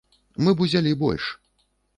Мы б узялі больш.